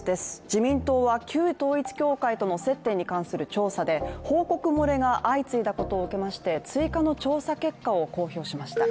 自民党は旧統一教会との接点に関する調査で報告漏れが相次いだことを受けまして追加の調査結果を公表しました。